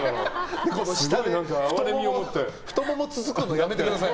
下で太ももつつくのやめてください。